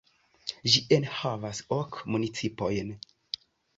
Ĝi enhavas ok municipojn.